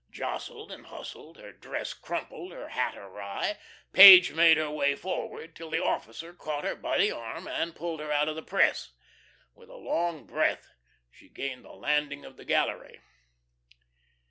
Jostled and hustled, her dress crumpled, her hat awry, Page made her way forward, till the officer caught her by the arm, and pulled her out of the press. With a long breath she gained the landing of the gallery.